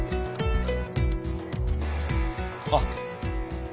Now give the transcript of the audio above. あっ。